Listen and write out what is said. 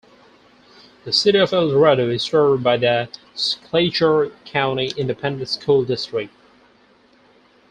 The City of Eldorado is served by the Schleicher County Independent School District.